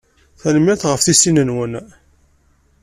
Tanemmirt ɣef tisin-nwen.